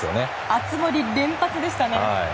熱盛連発でしたね。